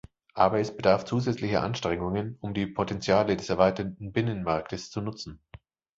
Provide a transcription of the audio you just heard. Aber es bedarf zusätzlicher Anstrengungen, um die Potentiale des erweiterten Binnenmarktes zu nutzen.